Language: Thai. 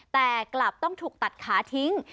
แต่กลับต้องถูกตัดขาทิ้ง